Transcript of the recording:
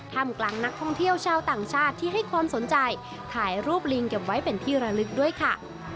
ทำกลางนักท่องเที่ยวชาวต่างชาติที่ให้ความสนใจถ่ายรูปลิงเก็บไว้เป็นที่ระลึกด้วยค่ะ